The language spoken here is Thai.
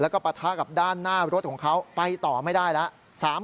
แล้วก็ปะทะกับด้านหน้ารถของเขาไปต่อไม่ได้แล้ว